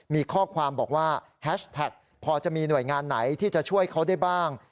มีข้อความบอกว่าแฮชแท็กพอจะมีหน่วยงานไหนที่จะช่วยเขาได้บ้าง